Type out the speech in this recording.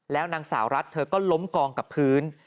แล้วนางสาวรัฐเธอก็ล้มกองกับพื้น